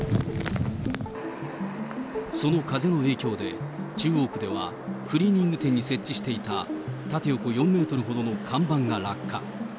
その風の影響で、中央区ではクリーニング店に設置していた縦横４メートルほどの看板が落下。